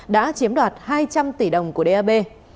đã chiếm đoạt hai trăm linh tỷ đồng của dab